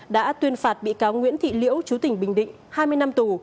đã tuyên phạt bị cáo nguyễn thị liễu chú tỉnh bình định hai mươi năm tù